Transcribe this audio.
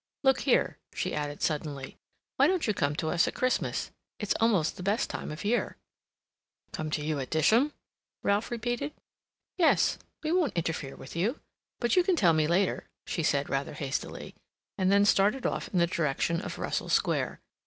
"Look here," she added suddenly, "why don't you come to us at Christmas? It's almost the best time of year." "Come to you at Disham?" Ralph repeated. "Yes. We won't interfere with you. But you can tell me later," she said, rather hastily, and then started off in the direction of Russell Square.